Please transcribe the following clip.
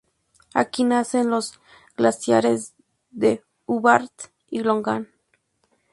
Aquí nacen los glaciares de Hubbard y Logan.